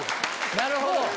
なるほど。